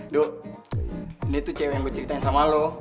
du ini tuh cewe yang gue ceritain sama lo